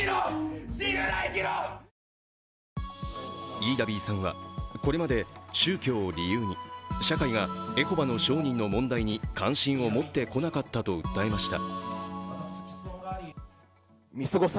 ｉｉｄａｂｉｉさんはこれまで宗教を理由に社会がエホバの証人の問題に関心を持ってこなかったと訴えました。